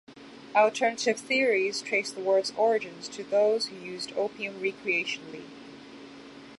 Alternative theories trace the word's origins to those who used opium recreationally.